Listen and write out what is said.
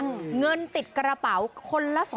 เงินติดกระเป๋าคนละ๒๐๐